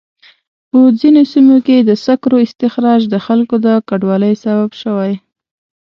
په ځینو سیمو کې د سکرو استخراج د خلکو د کډوالۍ سبب شوی.